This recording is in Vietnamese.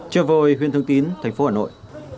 chợ vôi huyện thường tín thành phố hà nội